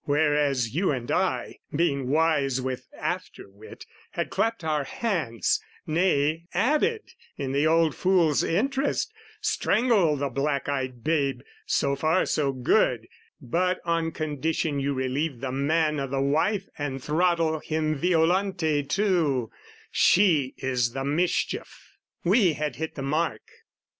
Whereas you and I, Being wise with after wit, had clapped our hands; Nay, added, in the old fool's interest, "Strangle the black eyed babe, so far so good, "But on condition you relieve the man "O' the wife and throttle him Violante too "She is the mischief!" We had hit the mark.